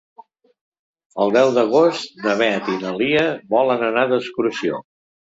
El deu d'agost na Beth i na Lia volen anar d'excursió.